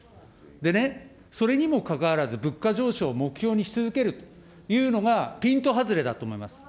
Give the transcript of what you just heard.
でね、それにもかかわらず、物価上昇を目標にし続けるというのがピント外れだと思います。